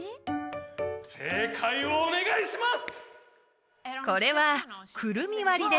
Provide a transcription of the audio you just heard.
正解をお願いします！